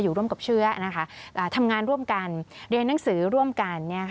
ร่วมกับเชื้อทำงานร่วมกันเรียนหนังสือร่วมกัน